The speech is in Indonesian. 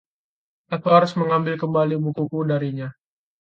Aku harus mengambil kembali bukuku darinya.